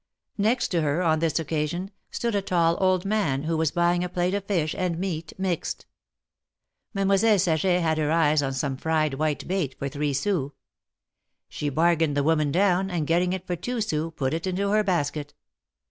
Next to her, on this occasion, stood a tall old man, who was buying a plate of fish and meat mixed. Mademoiselle Saget had her eyes on some fried white bait, for three sous. She bargained the woman down, and, getting it for two sous, put it into her basket.